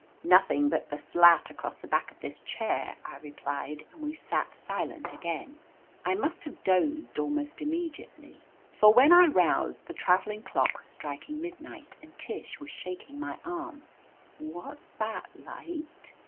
"Nothing but the slat across the back of this chair," I replied, and we sat silent again. I must have dozed almost immediately, for when 63 «1 THE AMAZING ADVENTURES I roused, the traveling clock was striking mid night, and Tish was shaking my arm. "What's that light